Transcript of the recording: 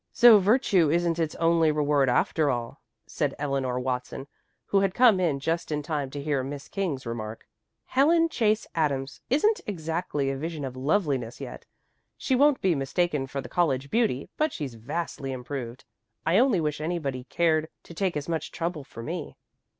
"So virtue isn't its only reward after all," said Eleanor Watson, who had come in just in time to hear Miss King's remark. "Helen Chase Adams isn't exactly a vision of loveliness yet. She won't be mistaken for the college beauty, but she's vastly improved. I only wish anybody cared to take as much trouble for me."